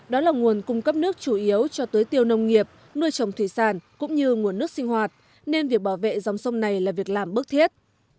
đó là nguồn cung cấp nước chủ yếu cho tới tiêu nông nghiệp nuôi trồng thủy sản cũng như nguồn nước sinh hoạt nên việc bảo vệ dòng sông này là việc làm bức thiết